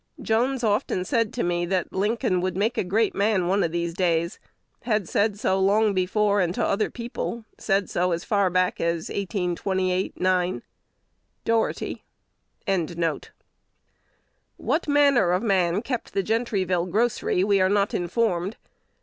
Jones often said to me, that Lincoln would make a great man one of these days, had said so long before, and to other people, said so as far back as 1828 9.'" Dougherty. What manner of man kept the Gentryville grocery, we are not informed.